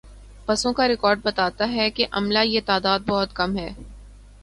بسوں کا ریکارڈ بتاتا ہے کہ عملا یہ تعداد بہت کم ہے۔